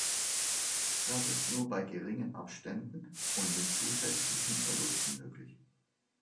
Das ist nur bei geringen Abständen und mit zusätzlichen Verlusten möglich.